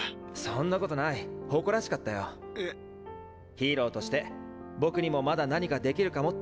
ヒーローとして僕にもまだ何かできるかもって思わされた。